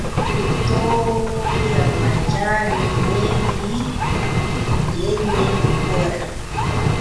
ili kutoa majani mengi yenye ubora.